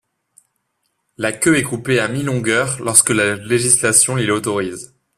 La queue est coupée à mi-longueur lorsque la législation l'y autorise.